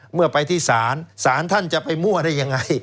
เมื่อไปที่ศาลศาลท่านจะไปมั่วได้ยังไง